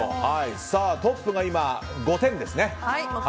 トップが今５点ですね。